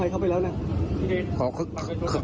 คุยโทรศัพท์กับผู้ชายค่ะ